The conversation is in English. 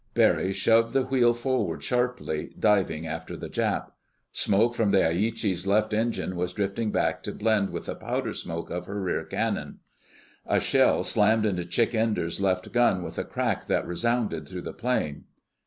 Barry shoved the wheel forward sharply, diving after the Jap. Smoke from the Aichi's left engine was drifting back to blend with the powder smoke of her rear cannon. A shell slammed into Chick Enders' left gun with a crack that resounded through the plane.